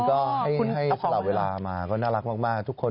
ก็ให้เกราะกากเวลามาน่ารักมากทุกคน